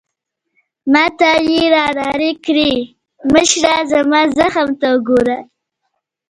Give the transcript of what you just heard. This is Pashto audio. ما ته يې رانارې کړې: مشره، زما زخم ته وګوره.